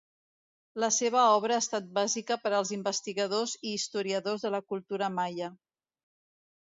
La seva obra ha estat bàsica per als investigadors i historiadors de la cultura maia.